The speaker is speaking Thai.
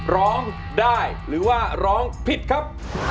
ร้องได้หรือว่าร้องผิดครับ